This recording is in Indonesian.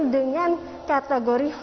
dengan kategori lima ratus dua puluh dua unit